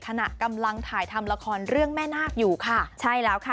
ขณะกำลังถ่ายทำละครเรื่องแม่นาคอยู่ค่ะใช่แล้วค่ะ